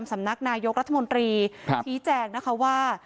สำนักนายกรัฐมนตรีชี้แจงนะคะว่า